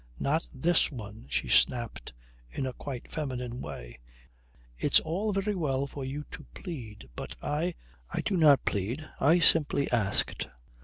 "Not this one," she snapped in a quite feminine way. "It's all very well for you to plead, but I " "I do not plead. I simply asked.